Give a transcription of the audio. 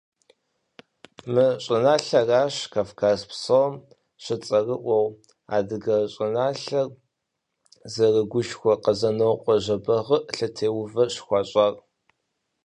Мы щӏыналъэращ Кавказ псом щыцӏэрыӏуэ, адыгэ щӏыналъэр зэрыгушхуэ Къэзэнокъуэ Жэбагъы лъэтеувэ щыхуащӏар.